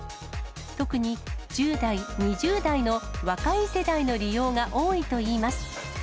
特に、１０代、２０代の若い世代の利用が多いといいます。